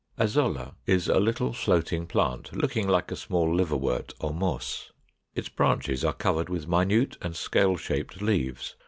496. =Azolla= is a little floating plant, looking like a small Liverwort or Moss. Its branches are covered with minute and scale shaped leaves.